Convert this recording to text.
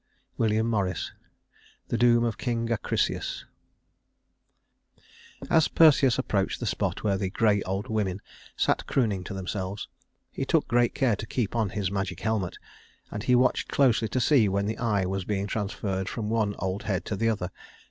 WILLIAM MORRIS, The Doom of King Acrisius. As Perseus approached the spot where the Gray Old Women sat crooning to themselves, he took good care to keep on his magic helmet, and he watched closely to see when the eye was being transferred from one old head to the other.